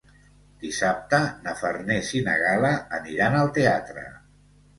Dissabte na Farners i na Gal·la aniran al teatre.